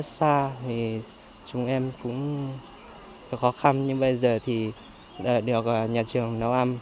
trước kia thì chúng em cũng khó khăn nhưng bây giờ thì đợi được nhà trường nấu ăn